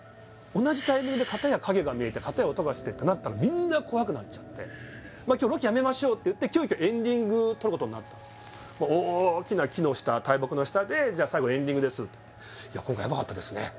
同じタイミングでかたや影が見えてかたや音がしてってなったらみんな怖くなっちゃって「今日ロケやめましょう」って言って急きょエンディング撮ることになったんすよ大きな木の下大木の下で「じゃ最後エンディングです」と「いや今回ヤバかったですね